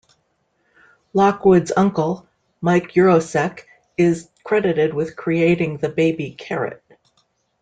Lockwood's uncle, Mike Yurosek, is credited with creating the baby carrot.